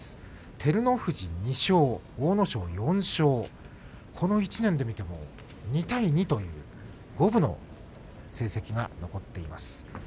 照ノ富士２勝、阿武咲４勝この１年で見ても２対２という五分の成績が残っています。